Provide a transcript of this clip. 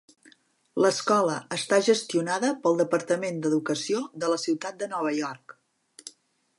L'escola està gestionada pel departament d'educació de la ciutat de Nova York.